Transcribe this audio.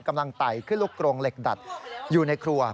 ไต่ขึ้นลูกกรงเหล็กดัดอยู่ในครัว